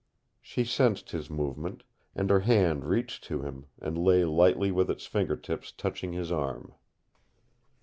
She sensed his movement, and her hand reached to him and lay lightly with its fingertips touching his arm.